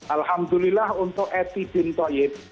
alhamdulillah untuk eti bin toyib